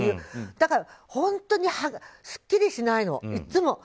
だから本当にすっきりしないの、いつも。